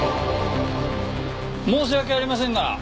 申し訳ありませんが。